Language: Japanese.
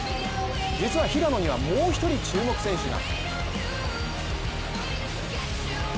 実は平野にはもう一人注目選手が。